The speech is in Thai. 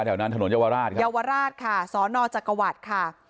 แถวนั้นถนนเยาวราชค่ะเยาวราชค่ะสอนอจักรวรรดิค่ะ